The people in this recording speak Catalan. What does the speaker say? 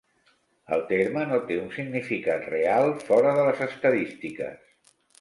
El terme no té un significat real fora de les estadístiques.